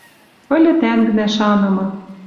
Ыльы тӓнгнӓ, шанымы.